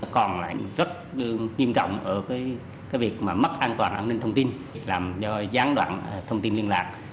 còn lại rất nghiêm trọng ở cái việc mà mất an toàn an ninh thông tin làm do gián đoạn thông tin liên lạc